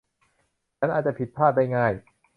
ฉันอาจจะผิดพลาดได้ง่าย